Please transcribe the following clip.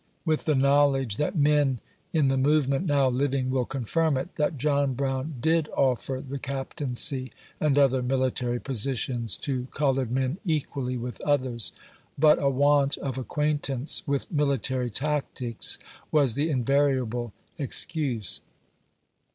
16 with the knowledge that men in the movement now living will confirm it, that John Brown did offer the captaincy, and other military positions, to colored men equally with others, but a want of acquaintance with military tactics was the in variable excuse.